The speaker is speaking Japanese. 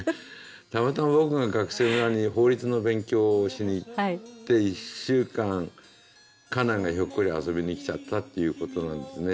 たまたま僕が学生村に法律の勉強をしに行って１週間家内がひょっこり遊びに来ちゃったっていうことなんですね。